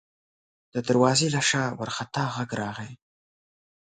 د دروازې له شا وارخطا غږ راغی: